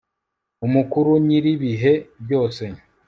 Umukuru Nyir ibihe byose